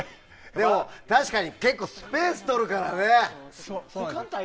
でも確かに結構、スペースとるからね。